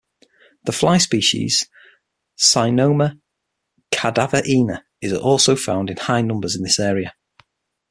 The fly species "Cynomya cadaverina" is also found in high numbers in this area.